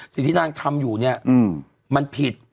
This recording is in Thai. สิ่งที่นางทำอยู่เนี่ยมันผิด